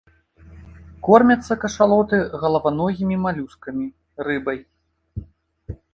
Кормяцца кашалоты галаваногімі малюскамі, рыбай.